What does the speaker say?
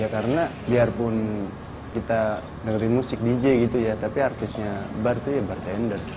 karena meskipun kita mendengar musik dj artisnya bar itu bartender